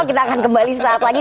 kita akan kembali suatu saat lagi